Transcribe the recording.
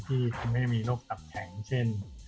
ที่ทำให้มีโรคตับแข็งเช่น